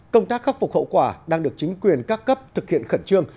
công tác khắc phục hậu quả đang được chính quyền các cấp thực hiện khẩn trương